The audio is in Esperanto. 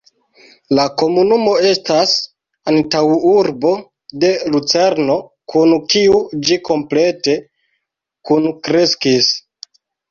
La komunumo estas antaŭurbo de Lucerno, kun kiu ĝi komplete kunkreskis.